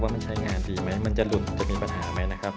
มันใช้งานดีไหมมันจะหลุดจะมีปัญหาไหมนะครับ